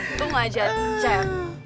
untung aja cek